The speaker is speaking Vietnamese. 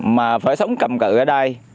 mà phải sống cầm cự ở đây